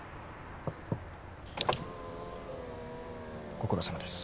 ご苦労さまです。